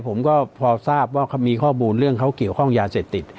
ผมก็พอทราบว่ามีข้อมูลเรื่องเขาเกี่ยวข้องยาเสพติด